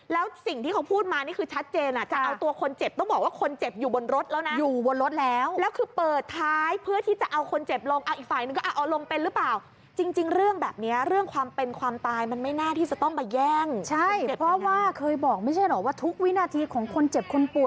แล้วสิ่งที่เขาพูดมานี่คือชัดเจนอ่ะจะเอาตัวคนเจ็บต้องบอกว่าคนเจ็บอยู่บนรถแล้วนะอยู่บนรถแล้วแล้วคือเปิดท้ายเพื่อที่จะเอาคนเจ็บลงเอาอีกฝ่ายนึงก็เอาลงเป็นหรือเปล่าจริงเรื่องแบบนี้เรื่องความเป็นความตายมันไม่น่าที่จะต้องมาแย่งใช่เพราะว่าเคยบอกไม่ใช่เหรอว่าทุกวินาทีของคนเจ็บคนป่วย